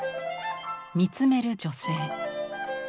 見つめる女性。